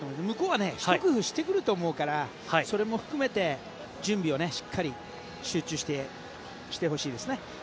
向こうはひと工夫してくると思うからそれも含めて準備をしっかり集中して、してほしいですね。